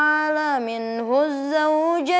aku mau bekerja